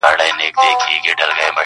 • لوستونکی ژور فکر ته ځي تل..